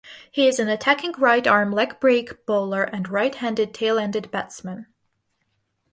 He is an attacking right-arm leg-break bowler and right-handed tail-ender batsman.